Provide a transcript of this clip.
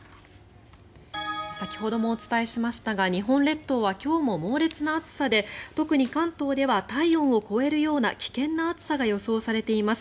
先ほどもお伝えしましたが日本列島は今日も猛烈な暑さで特に関東では体温を超えるような危険な暑さが予想されています。